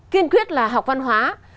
kiên quyết là học văn hóa